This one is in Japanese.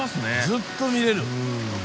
ずっと見れる。